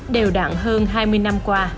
đều đặn hơn hai mươi năm qua